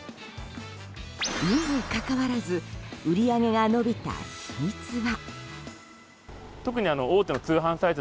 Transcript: にもかかわらず売り上げが伸びた秘密は。